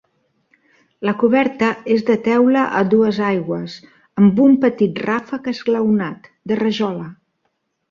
La coberta és de teula a dues aigües, amb un petit ràfec esglaonat, de rajola.